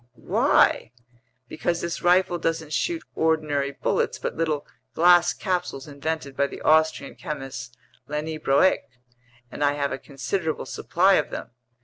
"Why?" "Because this rifle doesn't shoot ordinary bullets but little glass capsules invented by the Austrian chemist Leniebroek, and I have a considerable supply of them.